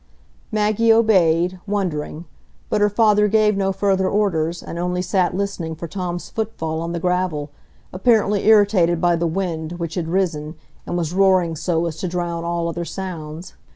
Maggie obeyed, wondering; but her father gave no further orders, and only sat listening for Tom's footfall on the gravel, apparently irritated by the wind, which had risen, and was roaring so as to drown all other sounds.